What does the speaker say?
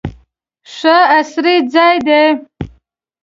ښه عصري ځای دی.